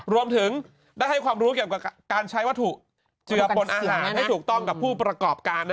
รวมถึงได้ให้ความรู้เกี่ยวกับการใช้วัตถุเจือปนอาหารให้ถูกต้องกับผู้ประกอบการ